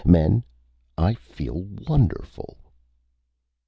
Men, I feel wonderful."